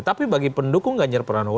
tapi bagi pendukung ganjar pranowo